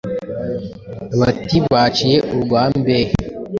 bati baciye urwa Mbehe